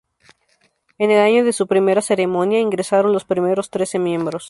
En el año de su primera ceremonia, ingresaron los primeros trece miembros.